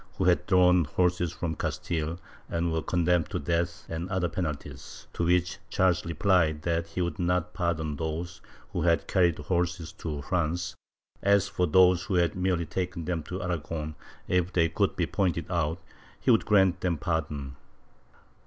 X] EXPORTATION OF HORSES 279 drawn horses from Castile and were condemned to death and other penalties, to which Charles replied that he would not pardon those who had carried horses to France; as for those who had merely taken them to Aragon, if they could be pointed out, he would grant them pardon.